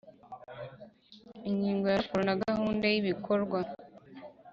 Ingingo ya raporo na gahunda y ibikorwa